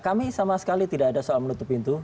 kami sama sekali tidak ada soal menutup pintu